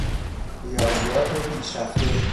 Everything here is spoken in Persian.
ریاضیات پیشرفته